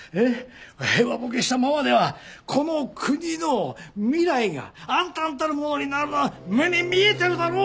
平和ボケしたままではこの国の未来が暗澹たるものになるのは目に見えてるだろう！